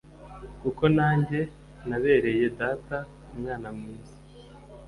kuko nanjye nabereye data umwana mwiza